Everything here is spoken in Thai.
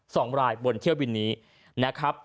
สองรายบนเที่ยวบินนี้นะครับ